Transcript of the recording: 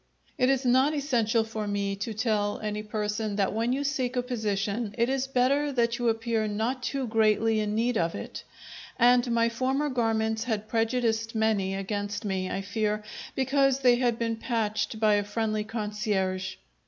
It is not essential for me to tell any person that when you seek a position it is better that you appear not too greatly in need of it; and my former garments had prejudiced many against me, I fear, because they had been patched by a friendly concierge.